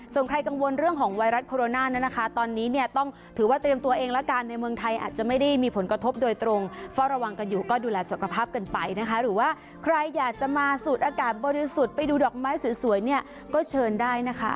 ส่วนใครกังวลเรื่องของไวรัสโคโรนานะคะตอนนี้เนี่ยต้องถือว่าเตรียมตัวเองแล้วกันในเมืองไทยอาจจะไม่ได้มีผลกระทบโดยตรงเฝ้าระวังกันอยู่ก็ดูแลสุขภาพกันไปนะคะหรือว่าใครอยากจะมาสูดอากาศบริสุทธิ์ไปดูดอกไม้สวยเนี่ยก็เชิญได้นะคะ